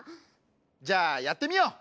じゃあやってみよう！